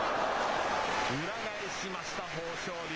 裏返しました、豊昇龍。